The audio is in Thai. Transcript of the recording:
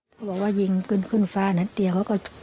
เขาบอกว่ายิงปืนขึ้นฟ้านัดเดียวเขาก็